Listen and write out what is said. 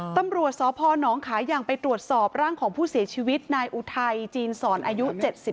ตำรวจสพนคอย่างไปตรวจสอบร่างของผู้เสียชวิตในอุทัยเซียดสรอายุ๗๓